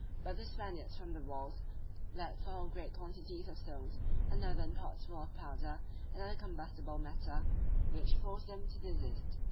But the Spaniards from the walls let fall great quantities of stones, and earthen pots full of powder, and other combustible matter, which forced them to desist.